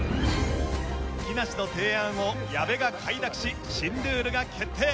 木梨の提案を矢部が快諾し新ルールが決定。